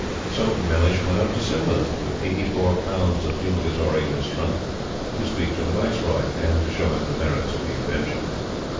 So Mellish went up to Simla, with eighty four pounds of Fumigatory in his trunk, to speak to the Viceroy and to show him the merits of the invention.